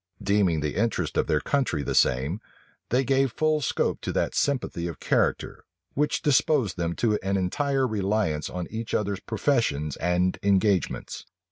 Deeming the interests of their country the same, they gave full scope to that sympathy of character, which disposed them to an entire reliance on each other's professions and engagements.